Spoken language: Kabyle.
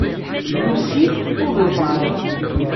Lucie tqubel Marie.